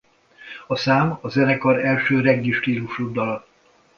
A szám a zenekar első reggae stílusa dala.